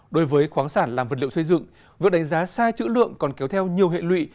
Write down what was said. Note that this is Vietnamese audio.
đối với khoáng sản làm vật liệu xây dựng việc đánh giá sai chữ lượng còn kéo theo nhiều hệ lụy